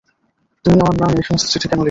তুমি আমার নামে এই সমস্ত চিঠি কেন লিখলে?